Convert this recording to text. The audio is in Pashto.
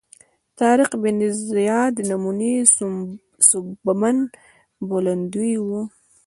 طارق بن زیاد نومي سوبمن بولندوی و.